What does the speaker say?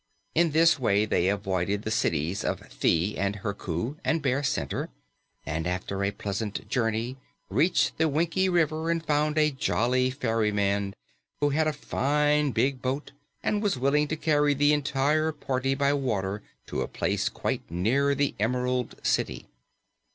In this way they avoided the Cities of Thi and Herku and Bear Center and after a pleasant journey reached the Winkie River and found a jolly ferryman who had a fine, big boat and was willing to carry the entire party by water to a place quite near to the Emerald City.